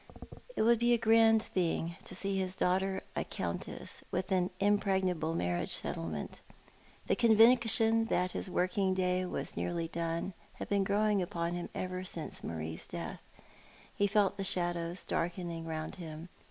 It would be a grand thing to see his daughter a countess, with an impregnable marriage settlement. The conviction that his working day was nearly done had been growing upon him ever since jMarie's death. He felt the shadows darkening round him.